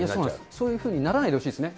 そういうふうにならないでほしいですね。